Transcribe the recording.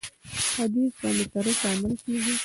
حدیث باندي تر اوسه عمل کیږي.